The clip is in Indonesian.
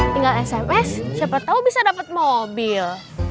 tinggal sms siapa tau bisa dapet mobil